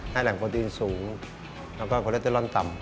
ให้แหล่งโปรตีนสูงแล้วก็คอเล็ตเตอรอลต่ำ